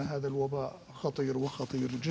bahwa wabak ini sangat berbahaya